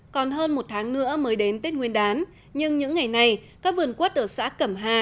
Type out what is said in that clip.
còn hơn một tháng nữa mới đến tết nguyên đán nhưng những ngày này các vườn quất ở xã cẩm hà